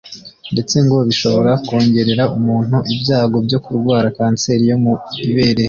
ndetse ngo bishobora kongerera umuntu ibyago byo kurwara kanseri yo mu ibere